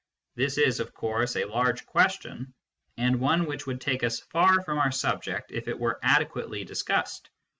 This is, ofcourse, a large question, and one wnich would take us far from our subject if it were adequately discussed.